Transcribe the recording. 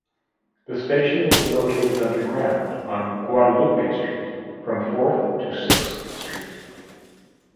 The station will be located underground on Guadalupe St from Fourth to Sixth Street.